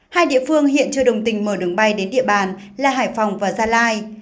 hai địa phương hiện chưa đồng tình mở đường bay đến địa bàn là hải phòng và gia lai